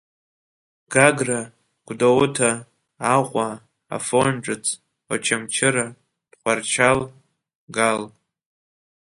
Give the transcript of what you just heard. Гагра, Гәыдоуҭа, Аҟәа, Афон ҿыц, Очамчыра, Тҟәарчал, Гал.